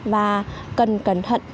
và cần cẩn thận